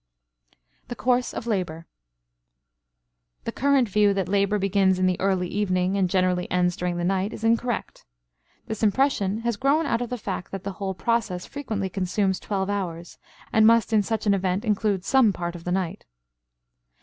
THE COURSE OF LABOR. The current view that labor begins in the early evening and generally ends during the night is incorrect. This impression has grown out of the fact that the whole process frequently consumes twelve hours and must in such an event include some part of the night.